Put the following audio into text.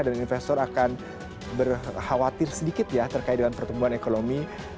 dan investor akan berkhawatir sedikit ya terkait dengan pertumbuhan ekonomi